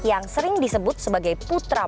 yang sering disebut seorang yang berpikir seperti ini